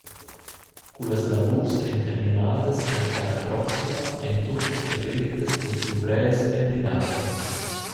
Cu las lavurs ein terminadas la stad proxima, ein tuttas dagrettas dils luvrers emblidadas.